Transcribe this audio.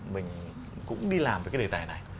mình cũng đi làm với cái đề tài này